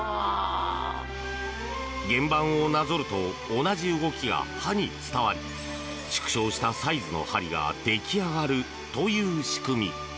原盤をなぞると同じ動きが刃に伝わり縮小したサイズの針が出来上がるという仕組み。